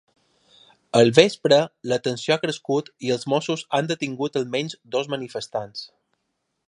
Al vespre, la tensió ha crescut i els mossos han detingut almenys dos manifestants.